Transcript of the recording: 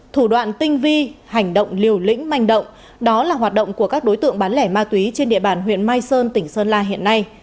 thủ đoạn tinh vi hành động liều lĩnh manh động đó là hoạt động của các đối tượng bán lẻ ma túy trên địa bàn huyện mai sơn tỉnh sơn la hiện nay